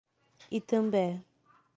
Itambé